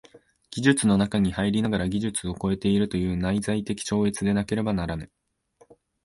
技術の中に入りながら技術を超えているという内在的超越でなければならぬ。